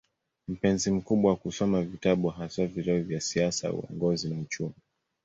Mpenzi mkubwa wa kusoma vitabu, haswa vitabu vya siasa, uongozi na uchumi.